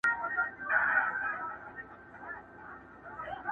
که پتنګ پر ما کباب سو زه هم وسوم ایره سومه،